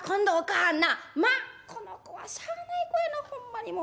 『まあこの子はしゃあない子やなほんまにもう。